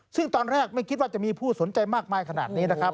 ซึ่งตอนแรกไม่คิดว่าจะมีผู้สนใจมากมายขนาดนี้นะครับ